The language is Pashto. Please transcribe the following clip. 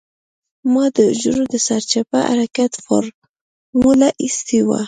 ما د حجرو د سرچپه حرکت فارموله اېستې وه.